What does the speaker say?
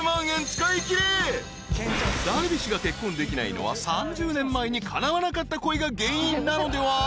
［樽美酒が結婚できないのは３０年前にかなわなかった恋が原因なのでは？ということで］